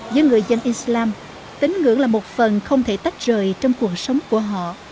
với người dân islam tín ngưỡng là một phần không thể tách rời trong cuộc sống của họ